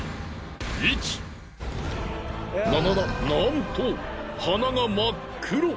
ななななんと鼻が真っ黒！